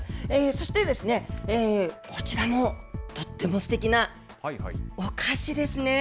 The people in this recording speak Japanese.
そして、こちらもとってもすてきなお菓子ですね。